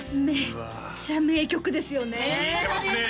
めっちゃ名曲ですよね